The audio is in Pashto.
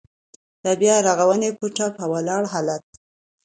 د بيا رغونې په ټپه ولاړ حالات.